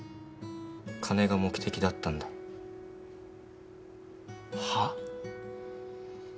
金が目的だったんだ。はあ？